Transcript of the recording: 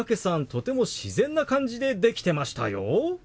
とても自然な感じでできてましたよ。